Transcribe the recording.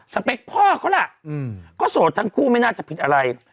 เปคพ่อเขาล่ะก็โสดทั้งคู่ไม่น่าจะผิดอะไร